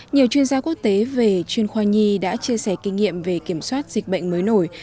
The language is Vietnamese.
nhiều chuyên gia quốc tế về chuyên khoa nhi đã chia sẻ kinh nghiệm về kiểm soát dịch bệnh mới nổi